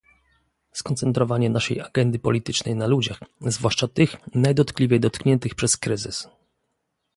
skoncentrowanie naszej agendy politycznej na ludziach, zwłaszcza tych najdotkliwiej dotkniętych przez kryzys